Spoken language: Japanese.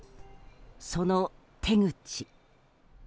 その手口。